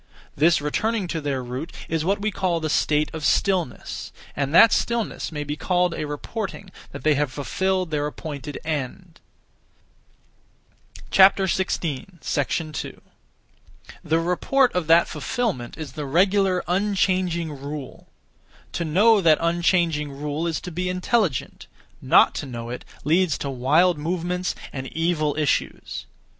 This returning to their root is what we call the state of stillness; and that stillness may be called a reporting that they have fulfilled their appointed end. 2. The report of that fulfilment is the regular, unchanging rule. To know that unchanging rule is to be intelligent; not to know it leads to wild movements and evil issues.